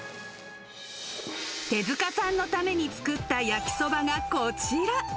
手塚さんのために作ったやきそばが、こちら。